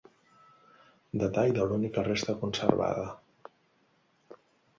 Detall de l'única resta conservada.